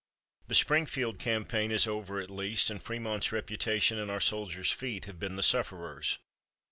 The Springfield campaign is over at least, and Frémont's reputation and our soldiers' feet have been the sufferers.